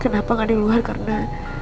kenapa nggak di luar karena